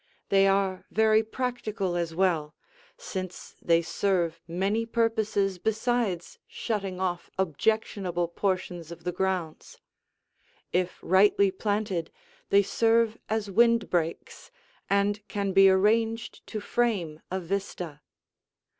They are very practical as well, since they serve many purposes besides shutting off objectionable portions of the grounds. If rightly planted, they serve as windbreaks and can be arranged to frame a vista.